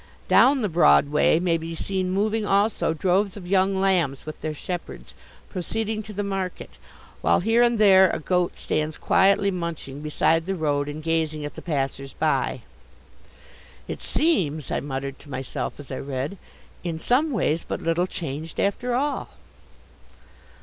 Down the Broad Way may be seen moving also droves of young lambs with their shepherds, proceeding to the market, while here and there a goat stands quietly munching beside the road and gazing at the passers by." "It seems," I muttered to myself as I read, "in some ways but little changed after all."